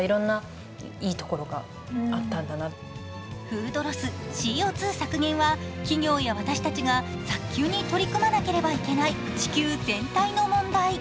フードロス、ＣＯ２削減は企業や私たちが早急に取り組まなければいけない地球全体の問題。